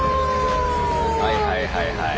はいはいはいはい。